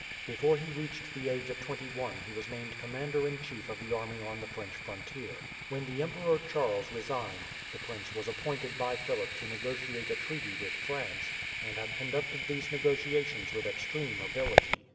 Before he reached the age of twenty one he was named commander in chief of the army on the French frontier. When the Emperor Charles resigned, the prince was appointed by Philip to negotiate a treaty with France, and had conducted these negotiations with extreme ability.